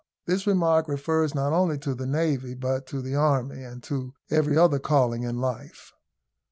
This remark refers not only to the Navy, but to the Army, and to every other calling in life.